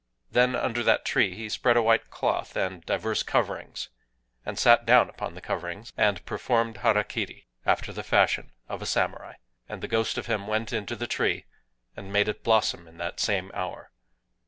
Then under that tree he spread a white cloth, and divers coverings, and sat down upon the coverings, and performed hara kiri after the fashion of a samurai. And the ghost of him went into the tree, and made it blossom in that same hour.